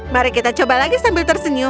mari kita coba lagi sambil tersenyum